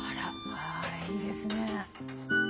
あいいですね。